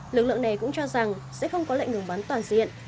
lực lượng này cũng cho rằng sẽ không có lệnh ngừng bắn toàn diện